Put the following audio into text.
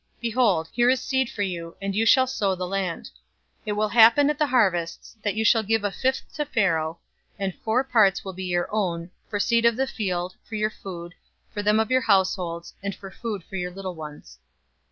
Behold, here is seed for you, and you shall sow the land. 047:024 It will happen at the harvests, that you shall give a fifth to Pharaoh, and four parts will be your own, for seed of the field, for your food, for them of your households, and for food for your little ones."